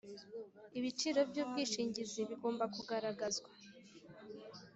ibiciro by ubwishingizi bigomba kugaragazwa